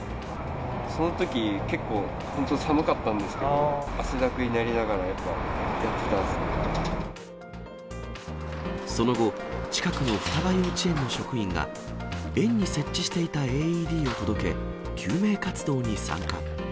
そのとき、結構本当、寒かったんですけど、汗だくになりながら、その後、近くの二葉幼稚園の職員が、園に設置していたＡＥＤを届け、救命活動に参加。